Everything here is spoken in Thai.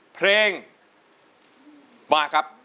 เพลงมาครับ